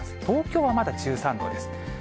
東京はまだ１３度です。